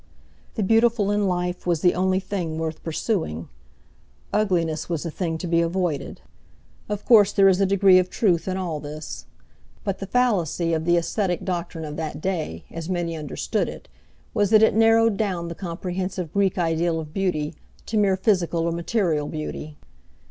The beautiful in life was the only thing worth pursuing; ugliness was the thing to be avoided. Of course there is a degree of truth in all this. But the fallacy of the aesthetic doctrine of that day, as many understood it, was that it narrowed down the comprehensive Greek ideal of beauty to mere physical or material beauty.